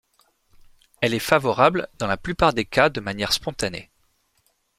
Elle est favorable dans la plupart des cas de manière spontanée.